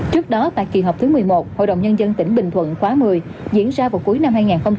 trước đó tại kỳ họp thứ một mươi một hội đồng nhân dân tỉnh bình thuận khóa một mươi diễn ra vào cuối năm hai nghìn hai mươi ba